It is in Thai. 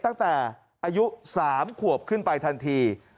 ตั้งแต่อายุ๓ขวบขึ้นไปทันที